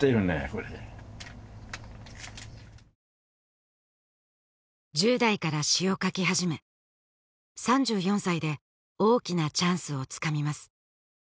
これ１０代から詩を書き始め３４歳で大きなチャンスをつかみます